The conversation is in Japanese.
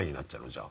じゃあ。